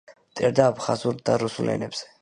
წერდა აფხაზურ და რუსულ ენებზე.